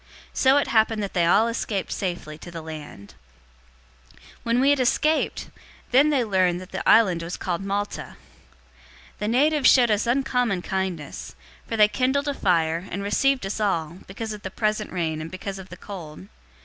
So it happened that they all escaped safely to the land. 028:001 When we had escaped, then they{NU reads "we"} learned that the island was called Malta. 028:002 The natives showed us uncommon kindness; for they kindled a fire, and received us all, because of the present rain, and because of the cold.